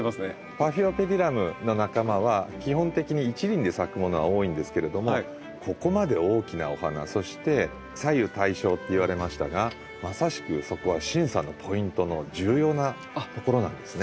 パフィオペディラムの仲間は基本的に一輪で咲くものが多いんですけれどもここまで大きなお花そして左右対称って言われましたがまさしくそこは審査のポイントの重要なところなんですね。